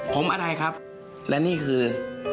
ผมอะไรครับและนี่คือ